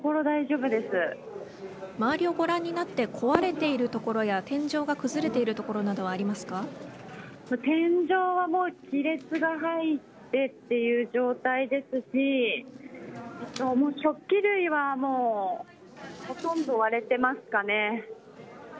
周りをご覧になって壊れている所や天井が崩れている所などは天井はもう亀裂が入ってという状態ですし食器類はもうほとんど割れてますかね。